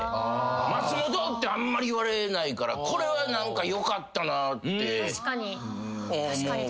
「松本」ってあんまり言われないからこれはよかったなって思う。